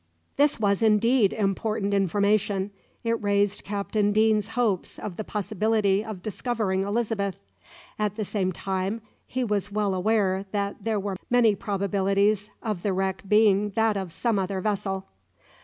This was indeed important information. It raised Captain Deane's hopes of the possibility of discovering Elizabeth; at the same time he was well aware that there were many probabilities of the wreck being that of some other vessel.